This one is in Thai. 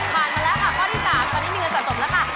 มาแล้วค่ะข้อที่๓ตอนนี้มีเงินสะสมแล้วค่ะ